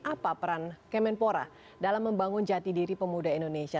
apa peran kemenpora dalam membangun jati diri pemuda indonesia